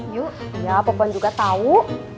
ya popon juga tahu